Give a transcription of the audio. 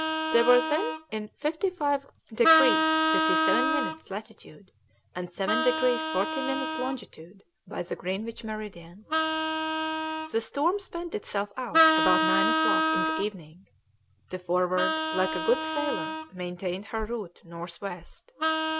They were then in 55 degrees 57 minutes latitude and 7 degrees 40 minutes longitude by the Greenwich meridian. The storm spent itself out about nine o'clock in the evening; the Forward, like a good sailor, maintained her route north west.